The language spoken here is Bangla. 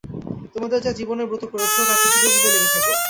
তোমাদের যা জীবনের ব্রত করেছ, তাতে দৃঢ়ভাবে লেগে থাক।